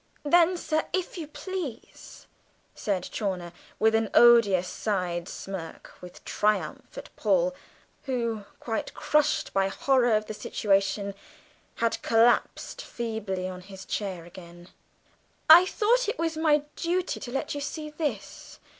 "Then, sir, if you please," said Chawner, with an odious side smirk of triumph at Paul, who, quite crushed by the horror of the situation, had collapsed feebly on his chair again, "I thought it was my duty to let you see this.